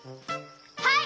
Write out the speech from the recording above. はい！